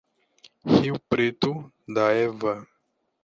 Rio Preto da Eva